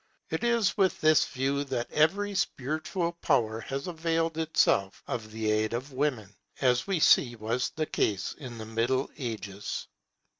It is with this view that every spiritual power has availed itself of the aid of women, as we see was the case in the Middle Ages.